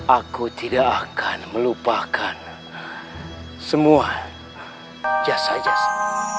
aku tidak akan melupakan semua jasa jasa